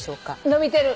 伸びてる。